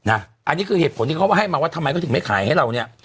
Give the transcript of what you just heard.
อันนี้คือเหตุผลที่เขาให้มาว่าทำไมเขาถึงไม่ขายให้เราเนี่ย